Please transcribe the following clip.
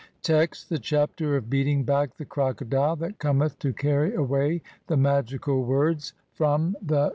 Text : r The Chapter of beating back the Crocodile THAT COMETH TO CARRY AWAY THE MAGICAL WORDS FROM THE 1.